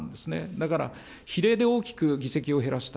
だから、比例で大きく議席を減らした。